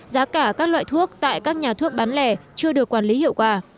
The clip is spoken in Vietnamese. giá cả các loại thuốc tại các nhà thuốc bán lẻ chưa được quản lý hiệu quả